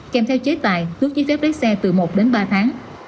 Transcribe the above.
kèm theo chế tài thước giấy phép đáy xe từ một đến ba tháng